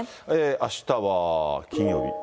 あしたは金曜日。